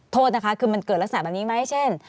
โทษนะคะคือมันเกิดลักษณะแบบนี้ไหมเช่น